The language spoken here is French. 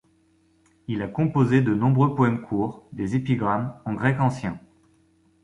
Il a composé de nombreux poèmes courts, des épigrammes, en grec ancien.